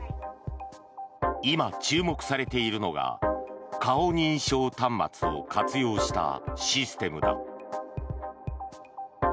今、注目されているのが顔認証端末を活用したシステムだ。